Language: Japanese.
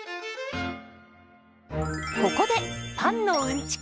ここでパンのうんちく